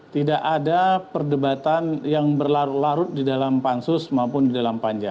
tidak ada perdebatan yang berlarut larut di dalam pansus maupun di dalam panja